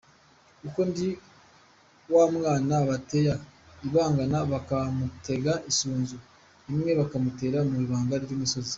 Kuko ndi wa mwana batea ibanganga bakamutega isunzu rimwe bakamutera mu ibanga ry’ umusozi.